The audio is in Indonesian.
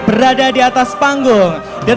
berada di atas panggung dan